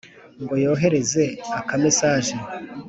ngo yohereze aka mesage